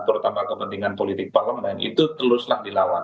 terutama kepentingan politik parlemen itu teruslah dilawan